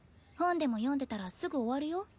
本でも読んでたらすぐ終わるよ。